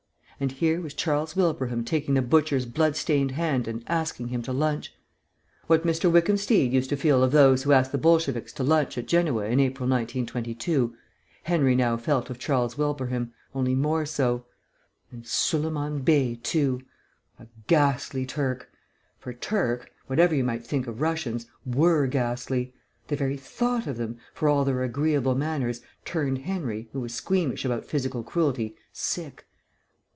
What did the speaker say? And here was Charles Wilbraham taking the butcher's blood stained hand and asking him to lunch. What Mr. Wickham Steed used to feel of those who asked the Bolsheviks to lunch at Genoa in April, 1922, Henry now felt of Charles Wilbraham, only more so. And Suliman Bey too ... a ghastly Turk; for Turk (whatever you might think of Russians) were ghastly; the very thought of them, for all their agreeable manners, turned Henry, who was squeamish about physical cruelty, sick.